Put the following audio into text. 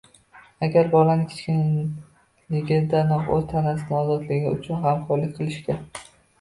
Agar bolani kichikligidanoq o‘z tanasining ozodaligi uchun g‘amxo‘rlik qilishga: